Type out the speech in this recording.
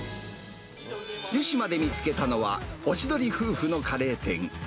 湯島で見つけたのは、おしどり夫婦のカレー店。